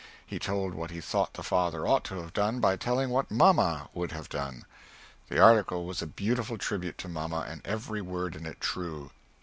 He told what he thought the father ought to have done by telling what mamma would have done. The article was a beautiful tribute to mamma and every word in it true.